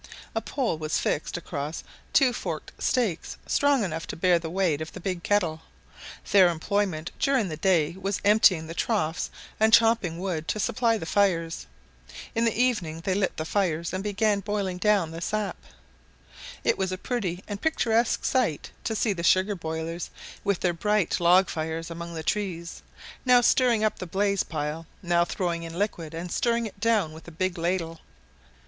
A pole was fixed across two forked stakes, strong enough to bear the weight of the big kettle. Their employment during the day was emptying the troughs and chopping wood to supply the fires. In the evening they lit the fires and began boiling down the sap. It was a pretty and picturesque sight to see the sugar boilers, with their bright log fire among the trees, now stirring up the blazing pile, now throwing in the liquid and stirring it down with a big ladle.